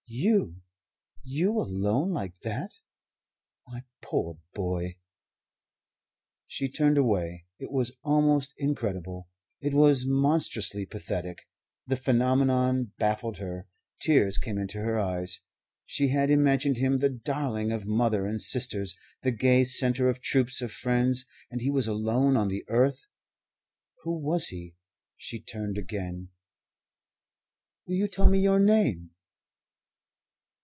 "You? You, alone like that? My poor boy!" She turned away. It was almost incredible. It was monstrously pathetic. The phenomenon baffled her. Tears came into her eyes. She had imagined him the darling of mother and sisters; the gay centre of troops of friends. And he was alone on the earth. Who was he? She turned again. "Will you tell me your name?"